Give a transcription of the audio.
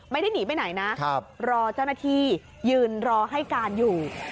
ไม่ได้หนีไปไหนนะรอเจ้าหน้าที่ยืนรอให้การอยู่